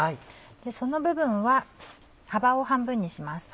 その部分は幅を半分にします。